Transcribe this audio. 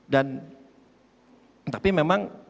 dan tapi memang